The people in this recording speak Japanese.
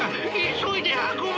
急いで運べ！